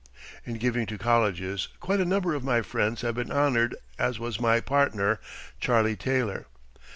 ] In giving to colleges quite a number of my friends have been honored as was my partner Charlie Taylor.